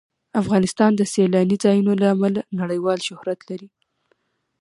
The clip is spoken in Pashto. افغانستان د سیلاني ځایونو له امله نړیوال شهرت لري.